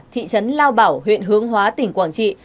thị trấn lao bảo huyện hướng hóa tỉnh quảng trị